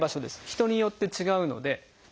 人によって違うので。